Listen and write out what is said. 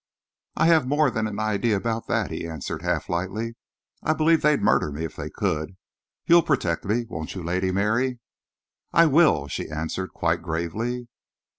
"I have more than an idea about that," he answered half lightly. "I believe they'd murder me if they could. You'll protect me, won't you, Lady Mary?" "I will," she answered quite gravely.